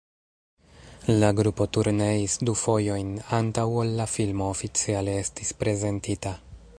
La grupo turneis du fojojn, antaŭ ol la filmo oficiale estis prezentita.